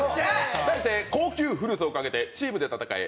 題して高級フルーツをかけてチームで戦え！